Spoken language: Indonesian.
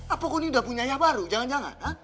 apa kau ini sudah punya ayah baru jangan jangan ha